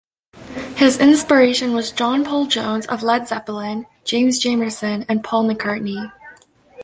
His inspiration was John Paul Jones of Led Zeppelin, James Jamerson, and Paul McCartney.